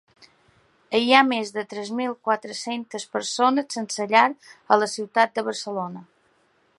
Hi ha més de tres mil quatre-centes persones sense llar a la ciutat de Barcelona.